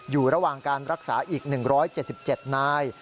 อยู่ระหว่างการรักษาอีก๑๗๗นาย